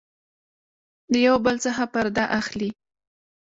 د يو بل څخه پرده اخلي